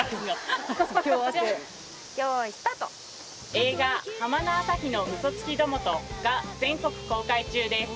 映画『浜の朝日の嘘つきどもと』が全国公開中です。